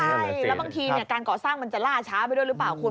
ใช่แล้วบางทีการก่อสร้างมันจะล่าช้าไปด้วยหรือเปล่าคุณ